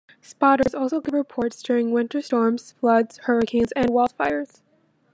Spotters also give reports during winter storms, floods, hurricanes, and wildfires.